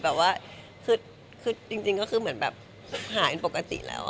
แบบว่าคือจริงก็คือเหมือนแบบหายเป็นปกติแล้ว